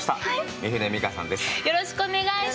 三船美佳さんです。